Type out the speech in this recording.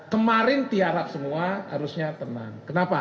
kemarin tiarap semua harusnya tenang kenapa